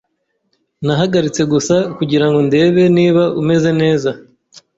Nahagaritse gusa kugirango ndebe niba umeze neza.